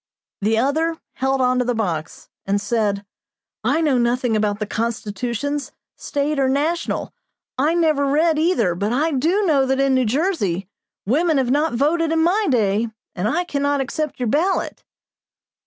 The other held on to the box, and said "I know nothing about the Constitutions, State or national. I never read either; but I do know that in New Jersey, women have not voted in my day, and I cannot accept your ballot."